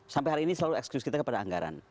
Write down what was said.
sampai hari ini selalu eksklusi kita kepada anggaran